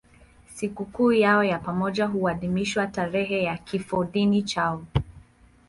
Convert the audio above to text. Sikukuu yao ya pamoja huadhimishwa tarehe ya kifodini chao.